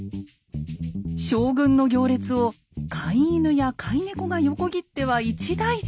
将軍の行列を飼い犬や飼い猫が横切っては一大事。